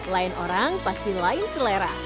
lain orang pasti lain selera